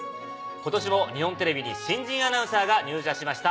今年も日本テレビに新人アナウンサーが入社しました。